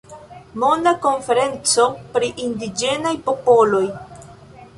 Monda Konferenco pri Indiĝenaj Popoloj.